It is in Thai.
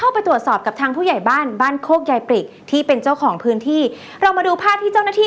ไปเลยไปไปซิไปซิ